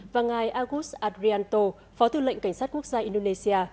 và ngài agus adrianto phó tư lệnh cảnh sát quốc gia indonesia